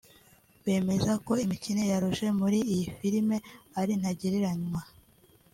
bemeza ko imikinire ya Roger muri iyi filime ari ntagereranywa